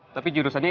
lo udah ngerti